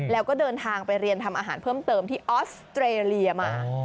แล้วก็เดินทางไปเรียนทำอาหารเพิ่มเติมที่ออสเตรเลียมา